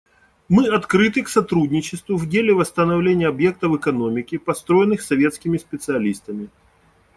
Мы открыты к сотрудничеству в деле восстановления объектов экономики, построенных советскими специалистами.